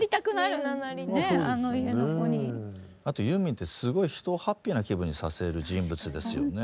あとユーミンってすごい人をハッピーな気分にさせる人物ですよね